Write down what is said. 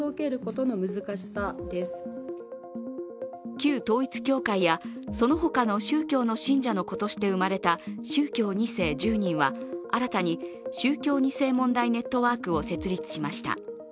旧統一教会やその他の宗教の信者の子として生まれた宗教２世１０人は、新たに宗教２世問題ネットワークを設立しました。